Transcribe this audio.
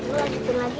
gue lanjutin lagi